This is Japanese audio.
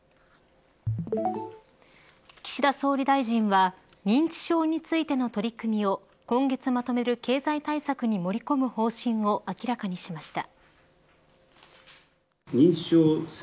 岸田総理大臣は認知症についての取り組みを今月まとめる経済対策に盛り込む方針を明らかにしました。